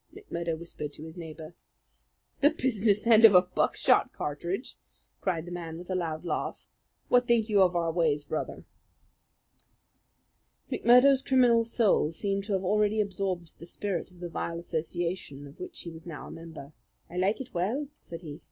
McMurdo whispered to his neighbour. "The business end of a buckshot cartridge!" cried the man with a loud laugh. "What think you of our ways, Brother?" McMurdo's criminal soul seemed to have already absorbed the spirit of the vile association of which he was now a member. "I like it well," said he.